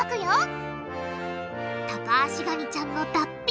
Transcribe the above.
タカアシガニちゃんの脱皮。